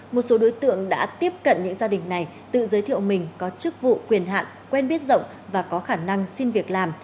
một số đối tượng đã tiếp cận những gia đình này tự giới thiệu mình có chức vụ quyền hạn quen biết rộng và có khả năng xin việc làm